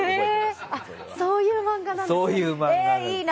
そういう漫画なんです。